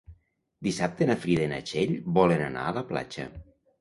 Dissabte na Frida i na Txell volen anar a la platja.